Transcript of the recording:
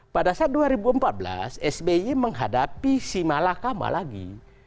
pada saat dua ribu empat belas sby menghadapi si malakama lagi